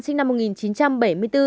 sinh năm một nghìn chín trăm bảy mươi